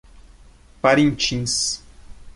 Parintins